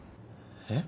えっ？